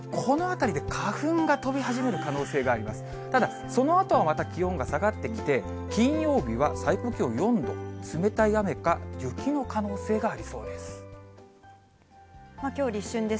ただ、そのあとはまた気温が下がってきて、金曜日は最高気温４度、冷たい雨か雪の可能性がありそうです。